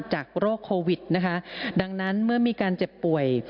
โรคโควิดนะคะดังนั้นเมื่อมีการเจ็บป่วย